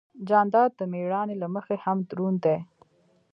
جانداد د مېړانې له مخې هم دروند دی.